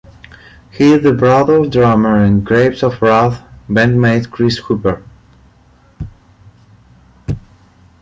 He is the brother of drummer and Grapes of Wrath bandmate Chris Hooper.